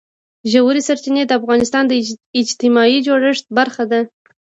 ژورې سرچینې د افغانستان د اجتماعي جوړښت برخه ده.